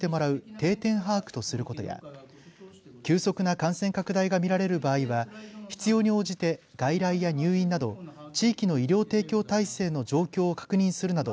定点把握とすることや急速な感染拡大が見られる場合は必要に応じて外来や入院など地域の医療提供体制の状況確認するなど